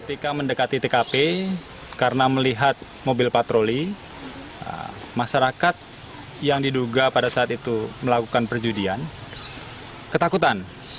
ketika mendekati tkp karena melihat mobil patroli masyarakat yang diduga pada saat itu melakukan perjudian ketakutan